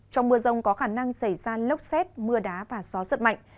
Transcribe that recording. trong mưa rông có khả năng xảy ra lốc xét mưa đá và gió giật mạnh